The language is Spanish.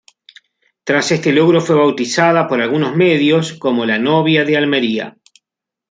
Tras este logro fue bautizada por algunos medios como la Novia de Almería.